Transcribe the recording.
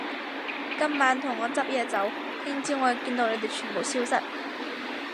今晚同我執嘢走，聽朝我要見到你哋全部消失